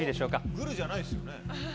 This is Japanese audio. グルじゃないっすよね？